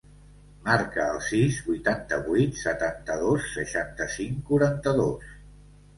Marca el sis, vuitanta-vuit, setanta-dos, seixanta-cinc, quaranta-dos.